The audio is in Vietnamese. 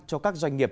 cho các doanh nghiệp